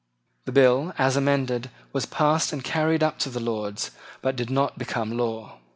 The bill, as amended, was passed and carried up to the Lords, but did not become law.